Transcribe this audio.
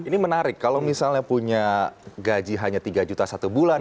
ini menarik kalau misalnya punya gaji hanya tiga juta satu bulan